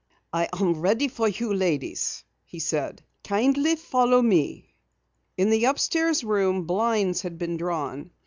"I am ready for you, ladies," he said. "Kindly follow me." In the upstairs room blinds had been drawn.